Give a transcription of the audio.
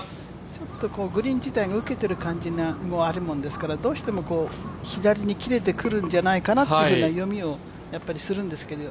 ちょっとグリーン自体が受けてるような感じがあるものですからどうしても左に切れてくるんじゃないかなっていう読みをするんですけど。